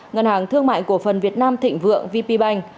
ngân hàng thương mại cổ phần việt nam thịnh vượng vp bank